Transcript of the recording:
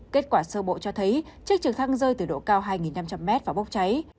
kết quả sơ bộ cho thấy chiếc trực thăng rơi từ độ cao hai năm trăm linh m và bốc cháy